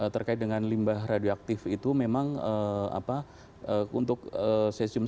terkait dengan limbah radioaktif itu memang apa untuk sesium satu ratus tiga puluh tujuh ini